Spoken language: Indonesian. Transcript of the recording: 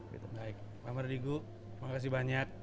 pak mardigu makasih banyak